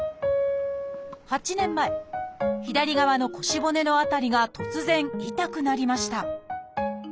８年前左側の腰骨の辺りが突然痛くなりました